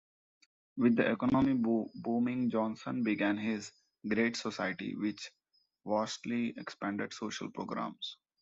With the economy booming Johnson began his "Great Society" which vastly expanded social programs.